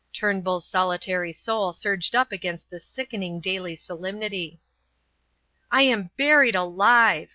Turnbull's solitary soul surged up against this sickening daily solemnity. "I am buried alive!"